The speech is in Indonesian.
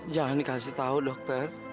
jangan dikasih tahu dokter